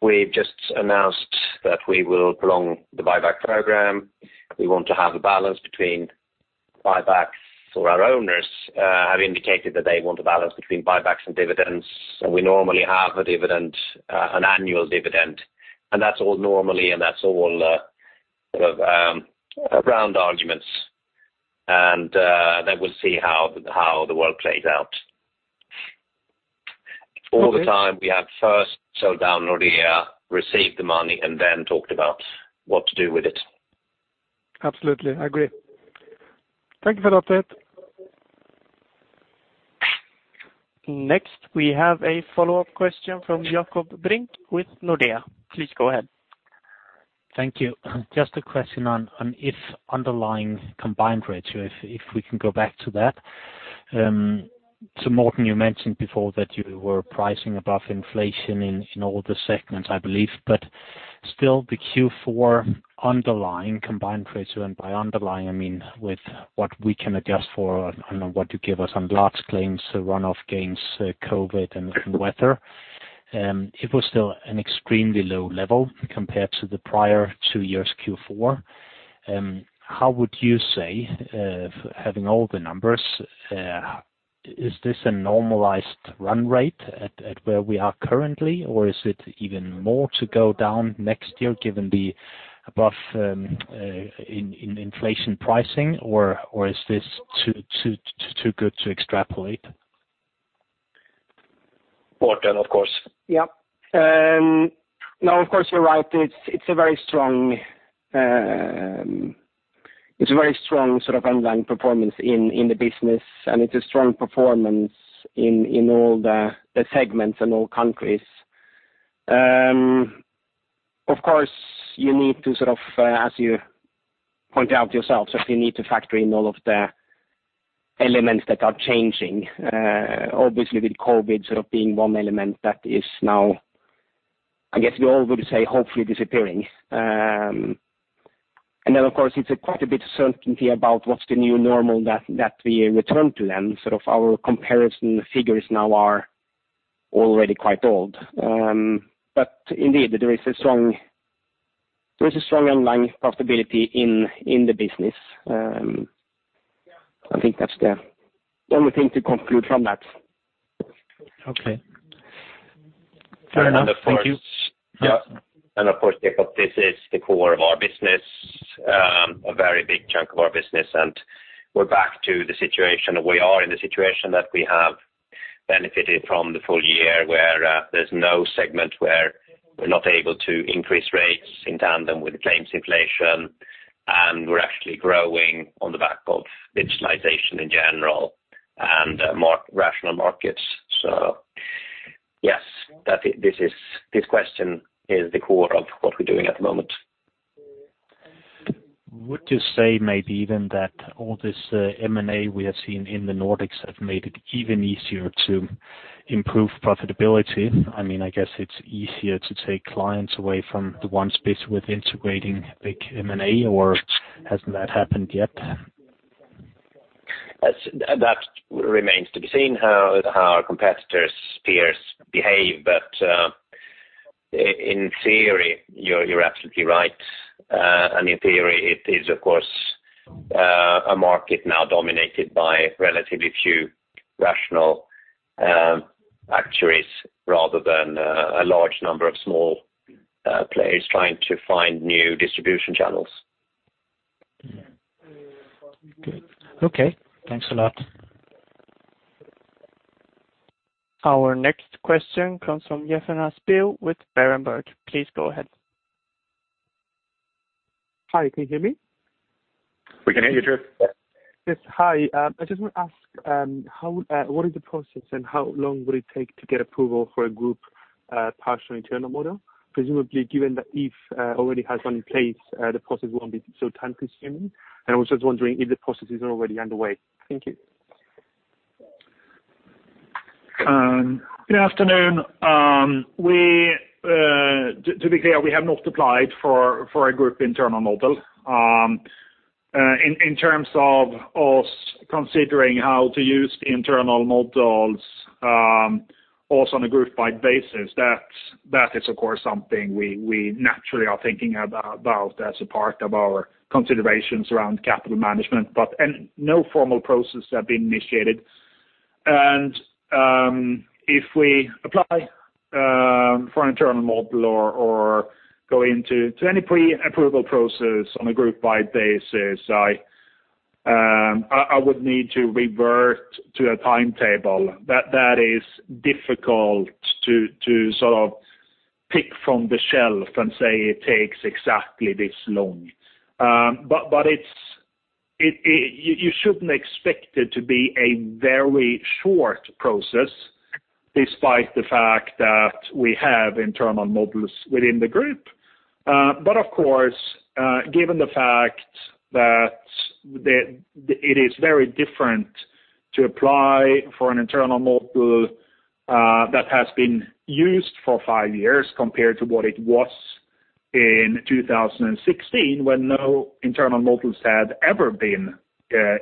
We've just announced that we will prolong the buyback program. We want to have a balance between buybacks for our owners, have indicated that they want a balance between buybacks and dividends. We normally have a dividend, an annual dividend, and that's all normally, sort of around arguments. Then we'll see how the world plays out. Okay. All the time we have first sold down Nordea, received the money, and then talked about what to do with it. Absolutely. I agree. Thank you for that. Next, we have a follow-up question from Jakob Brink with Nordea. Please go ahead. Thank you. Just a question on if underlying combined ratio if we can go back to that. So Morten, you mentioned before that you were pricing above inflation in all the segments, I believe. Still the Q4 underlying combined ratio, and by underlying, I mean with what we can adjust for, I don't know what you give us on large claims, runoff gains, COVID, and weather. It was still an extremely low level compared to the prior two years Q4. How would you say, having all the numbers, is this a normalized run rate at where we are currently? Or is it even more to go down next year given the above inflation pricing? Or is this too good to extrapolate? Morten, of course. Yeah. No, of course, you're right. It's a very strong sort of underlying performance in the business, and it's a strong performance in all the segments and all countries. Of course, you need to sort of as you point out yourself, so you need to factor in all of the elements that are changing. Obviously with COVID sort of being one element that is now, I guess we all would say, hopefully disappearing. Of course, it's quite a bit of uncertainty about what's the new normal that we return to then. Sort of our comparison figures now are already quite old. Indeed, there is a strong underlying profitability in the business. I think that's the only thing to conclude from that. Okay. Fair enough. Thank you. Of course, Jacob, this is the core of our business, a very big chunk of our business. We're back to the situation. We are in the situation that we have benefited from the full year where there's no segment where we're not able to increase rates in tandem with claims inflation, and we're actually growing on the back of digitalization in general and more rational markets. Yes, this question is the core of what we're doing at the moment. Would you say maybe even that all this, M&A we have seen in the Nordics have made it even easier to improve profitability? I mean, I guess it's easier to take clients away from the one space with integrating big M&A, or hasn't that happened yet? That remains to be seen how our competitors, peers behave. In theory, you're absolutely right. In theory, it is of course a market now dominated by relatively few rational actuaries rather than a large number of small players trying to find new distribution channels. Good. Okay. Thanks a lot. Our next question comes from Johanna Speel with Berenberg. Please go ahead. Hi, can you hear me? We can hear you, sure. Yes, hi. I just want to ask what is the process and how long will it take to get approval for a group partial internal model? Presumably, given that If already has one in place, the process won't be so time-consuming. I was just wondering if the processes are already underway. Thank you. Good afternoon. To be clear, we have not applied for a group internal model. In terms of us considering how to use the internal models, also on a group basis, that is, of course, something we naturally are thinking about as a part of our considerations around capital management. No formal processes have been initiated. If we apply for an internal model or go into any pre-approval process on a group basis, I would need to refer to a timetable that is difficult to sort of pick from the shelf and say it takes exactly this long. You shouldn't expect it to be a very short process despite the fact that we have internal models within the group. Of course, given the fact that it is very different to apply for an internal model that has been used for five years compared to what it was in 2016, when no internal models had ever been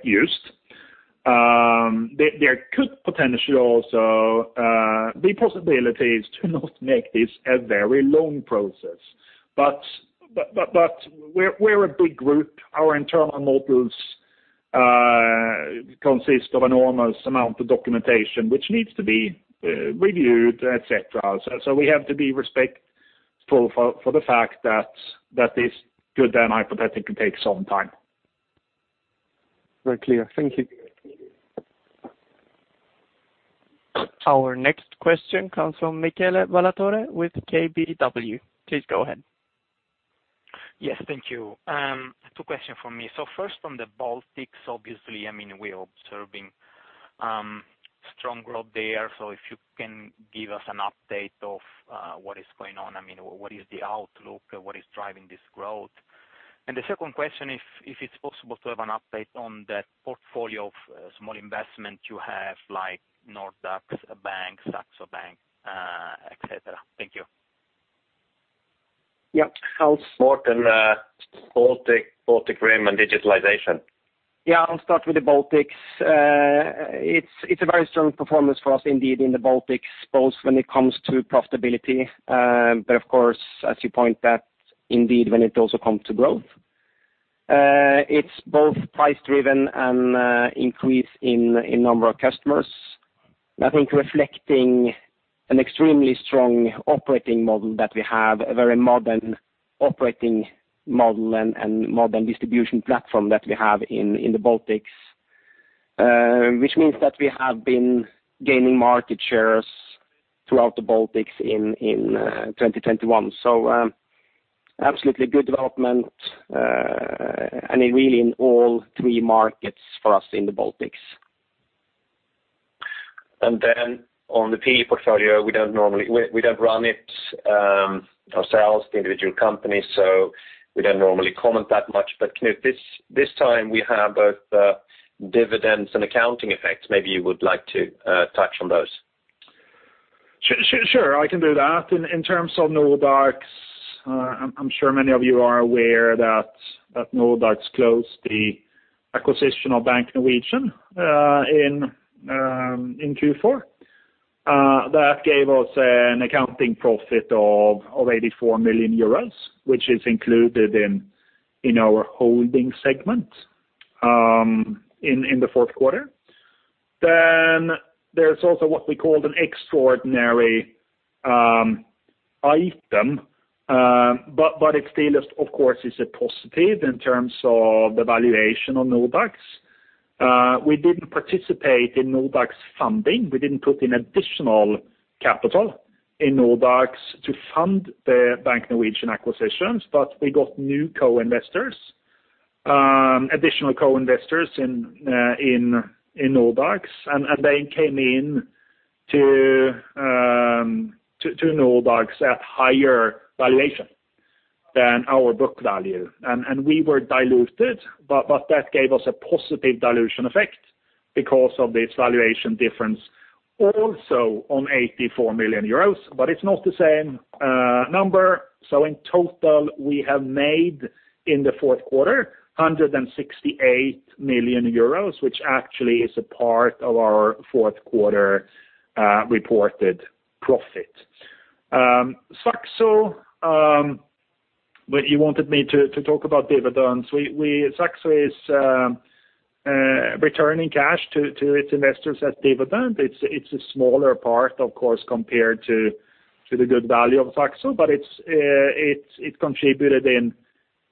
used. There could potentially also be possibilities to not make this a very long process. We're a big group. Our internal models consist of enormous amount of documentation which needs to be reviewed, et cetera. We have to be respectful for the fact that this could then hypothetically take some time. Very clear. Thank you. Our next question comes from Michele Ballatore with KBW. Please go ahead. Yes, thank you. Two question from me. First, on the Baltics, obviously, I mean, we're observing strong growth there. If you can give us an update of what is going on. I mean, what is the outlook? What is driving this growth? The second question, if it's possible to have an update on the portfolio of small investment you have, like Nordax Bank, Saxo Bank, et cetera. Thank you. Yeah. I'll start. Morten, Baltic Rim and digitalization. Yeah, I'll start with the Baltics. It's a very strong performance for us indeed in the Baltics, both when it comes to profitability, but of course, as you point that indeed when it also come to growth. It's both price driven and increase in number of customers, I think reflecting an extremely strong operating model that we have, a very modern operating model and modern distribution platform that we have in the Baltics. Which means that we have been gaining market shares throughout the Baltics in 2021. Absolutely good development, and really in all three markets for us in the Baltics. on the PE portfolio, we don't run it ourselves, the individual companies, so we don't normally comment that much. Knut, this time we have both dividends and accounting effects. Maybe you would like to touch on those. Sure, I can do that. In terms of Nordax, I'm sure many of you are aware that Nordax closed the acquisition of Bank Norwegian in Q4. That gave us an accounting profit of 84 million euros, which is included in our Holding segment in the fourth quarter. There's also what we call an extraordinary item. It still is, of course, a positive in terms of the valuation on Nordax. We didn't participate in Nordax funding. We didn't put in additional capital in Nordax to fund the Bank Norwegian acquisitions, but we got new co-investors, additional co-investors in Nordax. They came in to Nordax at higher valuation than our book value. we were diluted, but that gave us a positive dilution effect because of this valuation difference also on 84 million euros, but it's not the same number. In total, we have made in the fourth quarter 168 million euros, which actually is a part of our fourth quarter reported profit. Saxo, but you wanted me to talk about dividends. Saxo is returning cash to its investors as dividend. It's a smaller part, of course, compared to the good value of Saxo, but it contributed in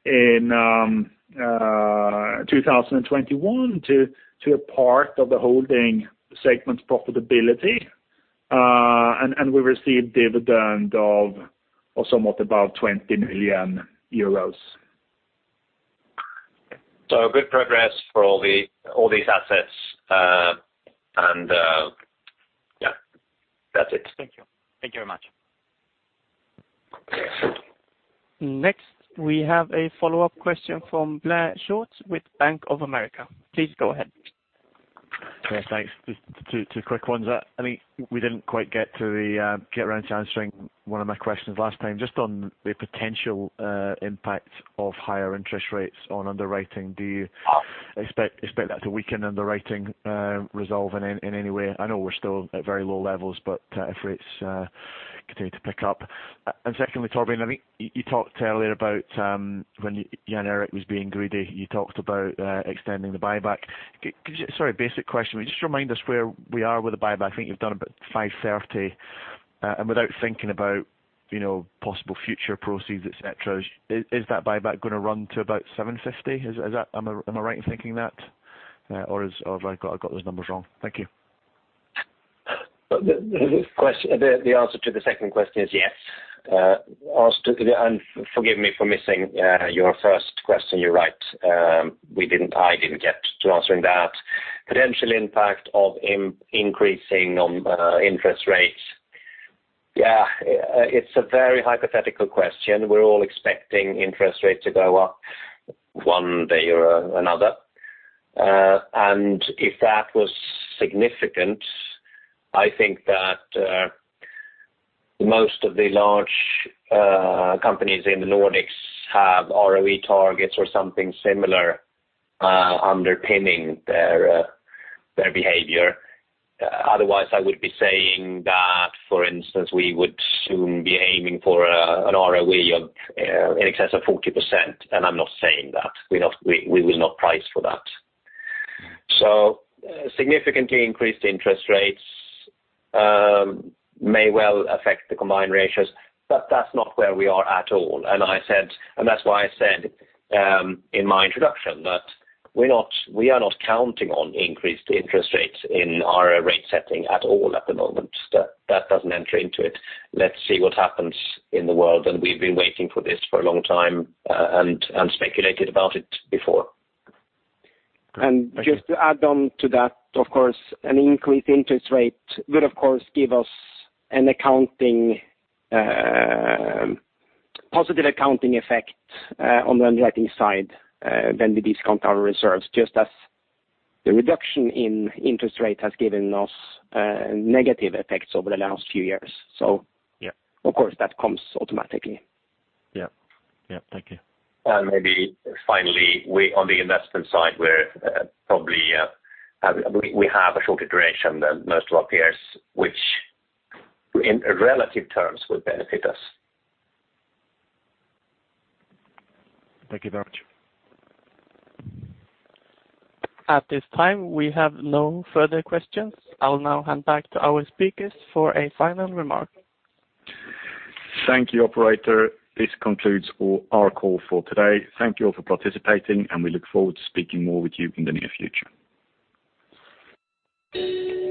2021 to a part of the Holding segment's profitability We received dividend of or somewhat above 20 million euros. Good progress for all these assets. Yeah, that's it. Thank you. Thank you very much. Okay. Next, we have a follow-up question from Blair Stewart with Bank of America. Please go ahead. Okay, thanks. Just two quick ones. I mean, we didn't quite get around to answering one of my questions last time. Just on the potential impact of higher interest rates on underwriting. Do you expect that to weaken underwriting result in any way? I know we're still at very low levels, but if rates continue to pick up. Secondly, Torbjörn, I think you talked earlier about when Jan-Erik was being greedy, you talked about extending the buyback. Sorry, basic question. Will you just remind us where we are with the buyback? I think you've done about 530 million. And without thinking about you know possible future proceeds, et cetera, is that buyback gonna run to about 750 million? Is that... Am I right in thinking that, or have I got those numbers wrong? Thank you. The answer to the second question is yes. Forgive me for missing your first question. You're right. I didn't get to answering that. Potential impact of increasing interest rates. Yeah, it's a very hypothetical question. We're all expecting interest rates to go up one day or another. If that was significant, I think that most of the large companies in the Nordics have ROE targets or something similar underpinning their behavior. Otherwise, I would be saying that, for instance, we would soon be aiming for an ROE of in excess of 40%, and I'm not saying that. We will not price for that. Significantly increased interest rates may well affect the combined ratios, but that's not where we are at all. That's why I said in my introduction that we are not counting on increased interest rates in our rate setting at all at the moment. That doesn't enter into it. Let's see what happens in the world, and we've been waiting for this for a long time and speculated about it before. Just to add on to that, of course, an increased interest rate would, of course, give us a positive accounting effect on the underwriting side when we discount our reserves, just as the reduction in interest rate has given us negative effects over the last few years. Yeah. Of course, that comes automatically. Yeah. Yeah. Thank you. Maybe finally, on the investment side, we have a shorter duration than most of our peers, which in relative terms will benefit us. Thank you very much. At this time, we have no further questions. I'll now hand back to our speakers for a final remark. Thank you, operator. This concludes our call for today. Thank you all for participating, and we look forward to speaking more with you in the near future.